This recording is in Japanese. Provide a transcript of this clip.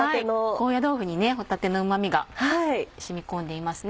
高野豆腐に帆立のうま味が染み込んでいますね。